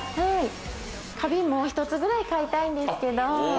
花瓶もう１つぐらい買いたいんですけど。